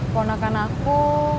puan akan aku